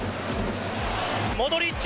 モドリッチ